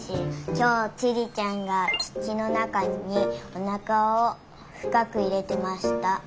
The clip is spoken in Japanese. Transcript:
きょうちりちゃんがつちのなかにおなかをふかくいれてました。